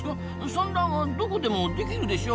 産卵はどこでもできるでしょ。